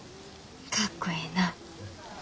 かっこええな。